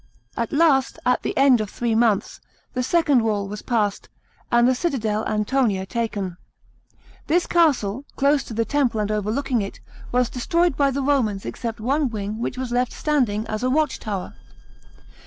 At last, at the end of three months, the second wall was passed, and the citadel Antonia taken. This castle, close to the temple, and overlooking it, was destroyed by the Eomans, except one wing, which was left standing as a watch tower.